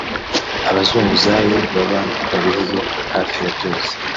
Abazunguzayi baba mu bihugu hafi ya byose